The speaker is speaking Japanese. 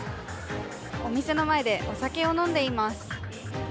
お店の前でお酒を飲んでいます